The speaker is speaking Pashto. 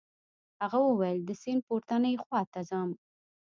هغه وویل د سیند پورتنۍ خواته ځم.